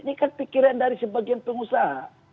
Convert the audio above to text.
ini kan pikiran dari sebagian pengusaha